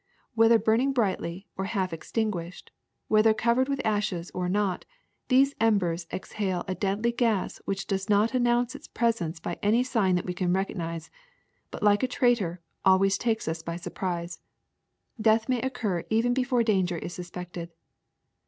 Whether burning brightly or half ex tinguished, whether covered with ashes or not, these embers exhale a deadly gas which does not announce its presence by any sign that we can recognize, but, like a traitor, always takes us by surprise. Death may occur even before danger is suspected.